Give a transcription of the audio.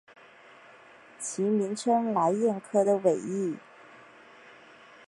其名称来燕科的尾翼。